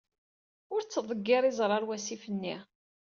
Ur ttḍeggir iẓra ɣer wasif-nni.